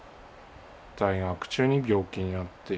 在学中に病気になって。